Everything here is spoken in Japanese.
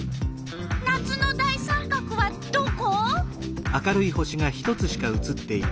夏の大三角はどこ？